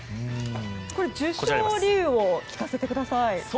これ、授賞理由を聞かせてください。